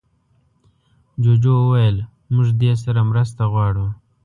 جوجو وویل موږ دې سره مرسته غواړو.